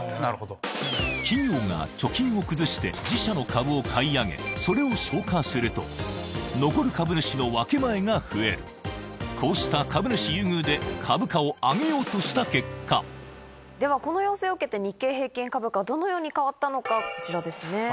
企業が貯金を崩して自社の株を買い上げそれを消化すると残る株主の分け前が増えるこうした株主優遇で株価を上げようとした結果この要請を受けて日経平均株価はどのように変わったのか。